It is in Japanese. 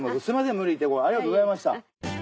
すみません無理言ってありがとうございました。